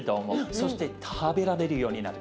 そして食べられるようになる。